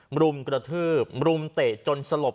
รุมกระทืบรุมเตะจนสลบ